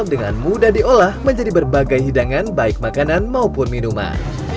dengan mudah diolah menjadi berbagai hidangan baik makanan maupun minuman